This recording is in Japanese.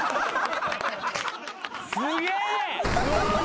すげえ！